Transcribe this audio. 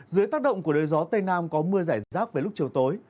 dưới tác động của đời gió tây nam có mưa rải rác về lúc chiều tối